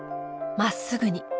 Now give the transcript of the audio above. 真っすぐに。